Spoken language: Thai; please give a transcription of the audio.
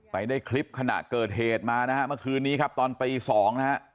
ได้คลิปขณะเกิดเหตุมานะฮะเมื่อคืนนี้ครับตอนตีสองนะฮะ